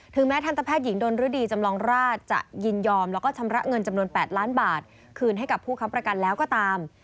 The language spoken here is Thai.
แม้ทันตแพทย์หญิงดนฤดีจำลองราชจะยินยอมแล้วก็ชำระเงินจำนวน๘ล้านบาทคืนให้กับผู้ค้ำประกันแล้วก็ตาม